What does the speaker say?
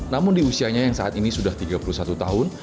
namun di usianya yang saat ini sudah tiga puluh satu tahun